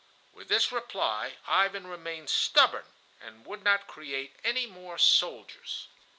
With this reply Ivan remained stubborn and would not create any more soldiers.